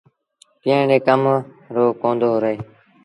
پيٚئڻ ري ڪم رو ڪوندو رهي۔